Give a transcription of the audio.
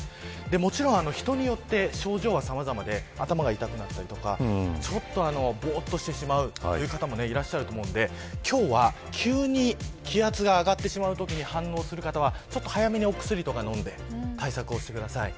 もちろん人によって症状はさまざまで頭が痛くなったりとかぼーっとしてしまうという方もいらっしゃると思うので今日は急に気圧が上がってしまうときに反応する方は早めにお薬とか飲んで対策をしてください。